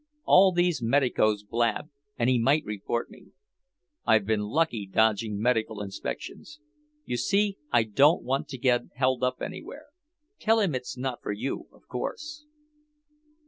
All these medicos blab, and he might report me. I've been lucky dodging medical inspections. You see, I don't want to get held up anywhere. Tell him it's not for you, of course."